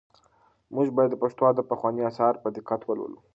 موږ باید د پښتو ادب پخواني اثار په دقت ولولو.